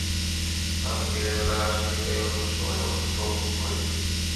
আমি দিনের বেলা কাজ করি তাই সবসময় ওর শো মিস করি।